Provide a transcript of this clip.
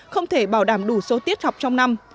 không thể bảo đảm đủ số tiết học trong năm